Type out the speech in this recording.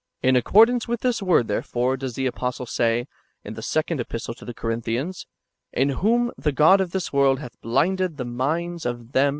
In accordance with this word, therefore, does the apostle say, in the Second [Epistle] to the Corinthians :" In whom the god of this world liath blinded the minds of them that ^ Num.